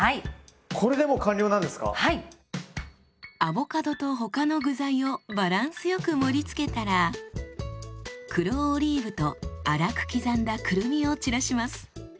アボカドと他の具材をバランスよく盛りつけたら黒オリーブと粗く刻んだくるみを散らします。